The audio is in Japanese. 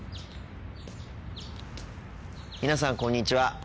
皆さんこんにちは。